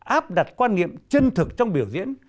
áp đặt quan niệm chân thực trong biểu diễn